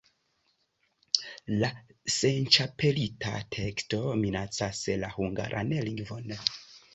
La senĉapelita teksto minacas la hungaran lingvon.